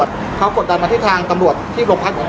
พี่แจงในประเด็นที่เกี่ยวข้องกับความผิดที่ถูกเกาหา